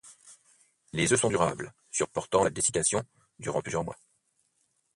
Les œufs sont durables, supportant la dessication durant plusieurs mois.